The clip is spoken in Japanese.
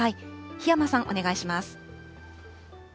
檜山さん、お願いします。